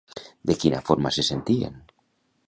De quina forma se sentien?